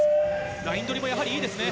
ライン取りもいいですね。